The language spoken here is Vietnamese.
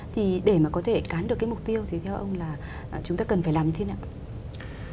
thì để mà có thể cán được cái mục tiêu thì theo ông là chúng ta cần phải làm như thế nào ạ